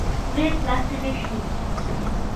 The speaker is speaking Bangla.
রেড ব্লাস্টারের শিং।